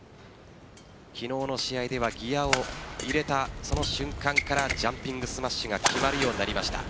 昨日の試合ではギアを入れたその瞬間からジャンピングスマッシュが決まるようになりました。